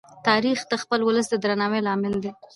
تاریخ د خپل ولس د درناوي لامل دی.